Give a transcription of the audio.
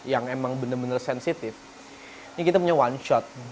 yang emang bener bener sensitif ini kita punya one shot